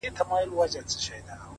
• تا د جنگ لويه فلـسفه ماتــه كــړه،